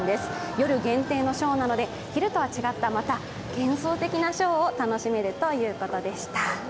夜限定のショーなので昼とは違った幻想的なショーを楽しめるということでした。